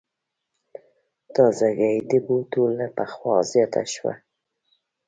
تازګي د بوټو له پخوا زیاته شوه.